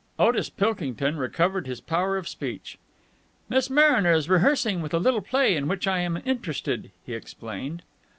Otis Pilkington recovered his power of speech. "Miss Mariner is rehearsing with a little play in which I am interested," he explained.